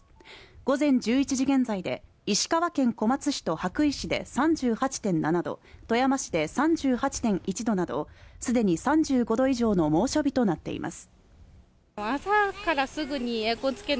午前１１時現在で石川県小松市と羽咋市で３８．７度富山市で３８．１度などすでに３５度以上の猛暑日となっています